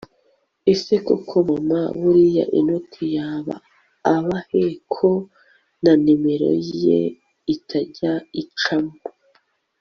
ese koko mama buriya enock yaba abahe ko na nimero ye itajya icamo!